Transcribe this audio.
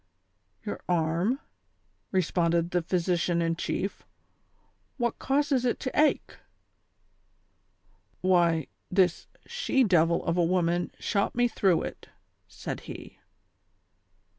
" Your arm ?" responded the physician in chief, " what causes it to ache ?" "Why, this she devil of a woman shot me through it," said he.